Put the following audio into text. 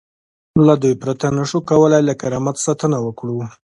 له دوی پرته نشو کولای له کرامت ساتنه وکړو.